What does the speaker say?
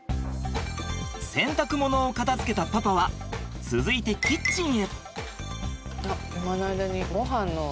洗濯物を片づけたパパは続いてキッチンへ。